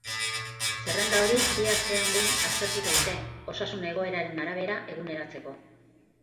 Zerrenda hori bi astean behin aztertuko dute osasun-egoeraren arabera eguneratzeko.